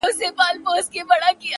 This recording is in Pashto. o سل ئې مړه کړه لا ئې بدي نه بولې.